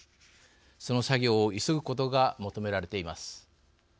その作業を急ぐことが求められています。